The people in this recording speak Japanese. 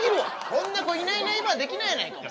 こんな子いないいないばあできないやないかお前。